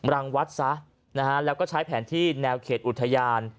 รังวัดซะนะฮะแล้วก็ใช้แผนที่แนวเขตอุทยาน